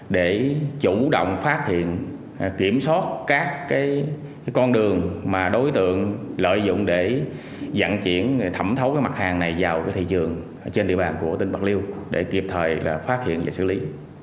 để chủ động phát hiện kiểm soát các con đường mà đối tượng lợi dụng để dặn chuyển thẩm thấu mặt hàng này vào thị trường trên địa bàn của tỉnh bạc liêu để kịp thời phát hiện và xử lý